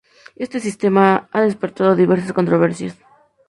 Este sistema ha despertado diversas controversias.